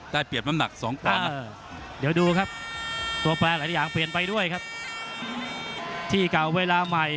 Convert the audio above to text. ใช้ส่วนมาได้เปลี่ยนน้ำหนัก๒กร้อน